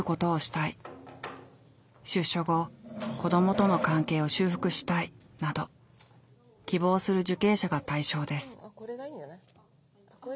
「出所後子どもとの関係を修復したい」など希望する受刑者が対象です。